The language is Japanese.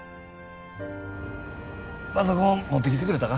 パソコン持ってきてくれたか？